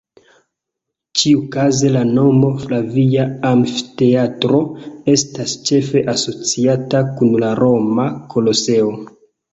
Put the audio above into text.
Ĉiukaze la nomo "Flavia Amfiteatro" estas ĉefe asociata kun la Roma Koloseo.